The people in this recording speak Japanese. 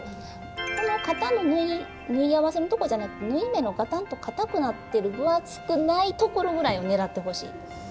この肩の縫い合わせのとこじゃなくて縫い目のガタンとかたくなってる分厚くないところぐらいを狙ってほしい。